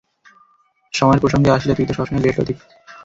সময়ের প্রসঙ্গ আসলে তুই তো সবসময়ই লেট লতিফ!